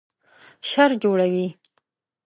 شر جوړوي